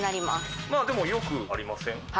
まあでもよくありません？